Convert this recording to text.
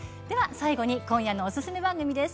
最後に今夜のおすすめ番組です。